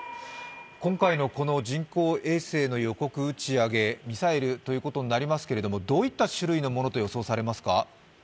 今回の人工衛星の予告打ち上げ、ミサイルということになりますけど、どういった種類のものと予想されますか？